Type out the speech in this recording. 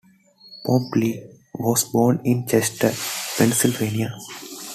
Pompilli was born in Chester, Pennsylvania.